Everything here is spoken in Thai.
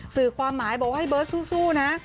สื่อความหมายบอกว่าให้เบิร์ตสู้นะ